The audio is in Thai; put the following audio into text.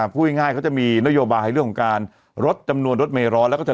พูดง่ายเขาจะมีนโยบายเรื่องของการลดจำนวนรถเมร้อนแล้วก็เธอ